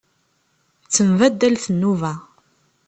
Ttembaddalet nnuba.